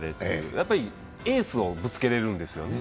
やっぱりエースをぶつけれるんですよね。